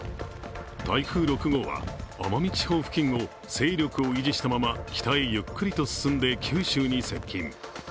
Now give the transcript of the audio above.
台風６号は奄美地方付近を勢力を維持したまま、北へゆっくりと進んで九州に接近。